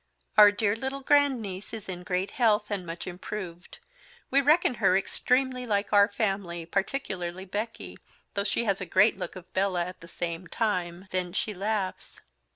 Our dear Little Grand niece is in great health, and much improved. We reckon her Extremely like our Family, Particularly Becky; though she has a great Look of Bella, at the Same Time, Then she Laughs.